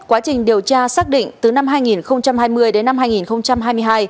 quá trình điều tra xác định từ năm hai nghìn hai mươi đến năm hai nghìn hai mươi hai